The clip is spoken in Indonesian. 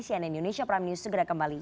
cnn indonesia prime news segera kembali